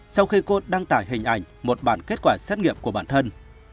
sau khi cô đăng tải hình ảnh một bản kết quả xét nghiệm của bản thân